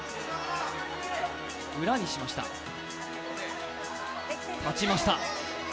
裏にしました、立ちました。